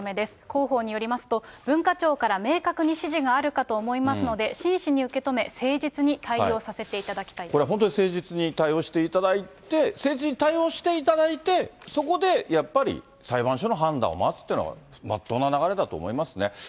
広報によりますと、文化庁から明確に指示があるかと思いますので、真摯に受け止め、これ本当に誠実に対応していただいて、誠実に対応していただいて、そこでやっぱり裁判所の判断を待つっていうのがまっとうな流れだと思いますね。